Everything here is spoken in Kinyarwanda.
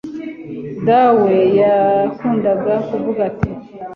dawe yakundaga kuvuga ati